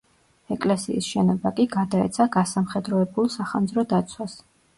ეკლესიის შენობა კი გადაეცა გასამხედროებულ სახანძრო დაცვას.